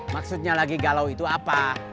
maksudnya lagi galau itu apa